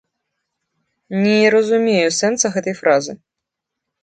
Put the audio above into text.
Не разумею сэнса гэтай фразы.